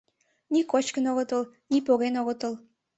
Ни кочкын огытыл, ни поген огытыл.